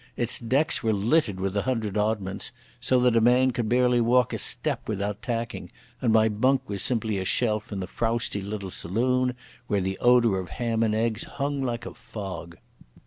Its decks were littered with a hundred oddments, so that a man could barely walk a step without tacking, and my bunk was simply a shelf in the frowsty little saloon, where the odour of ham and eggs hung like a fog.